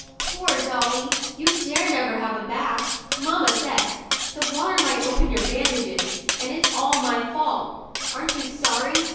'* Poor Dolly ! You dare never have a bath, mamma says. The water might open your bandages, and it's all my fault. Aren't you sorry?"